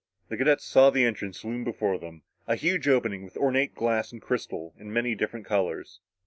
The cadets saw the entrance loom before them a huge opening, with ornate glass and crystal in many different colors.